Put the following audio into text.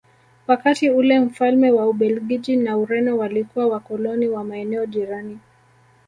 Wakati ule mfalme wa Ubelgiji na Ureno walikuwa wakoloni wa maeneo jirani